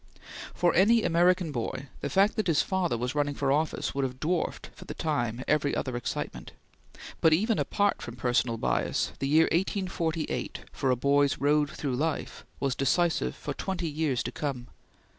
For any American boy the fact that his father was running for office would have dwarfed for the time every other excitement, but even apart from personal bias, the year 1848, for a boy's road through life, was decisive for twenty years to come.